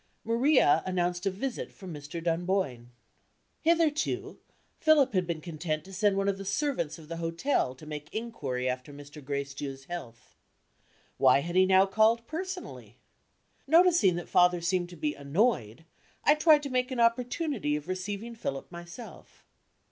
Maria announced a visit from Mr. Dunboyne. Hitherto Philip had been content to send one of the servants of the hotel to make inquiry after Mr. Gracedieu's health. Why had he now called personally? Noticing that father seemed to be annoyed, I tried to make an opportunity of receiving Philip myself.